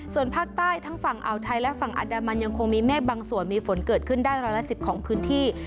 ส่วนภาคใต้ทั้งฝั่งอ่าวไทยและฝั่งอันดามันยังคงมีเมฆบางส่วนมีฝนเกิดขึ้นได้ร้อยละ๑๐ของพื้นที่